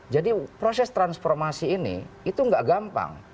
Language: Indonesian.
jadi proses transformasi ini itu nggak gampang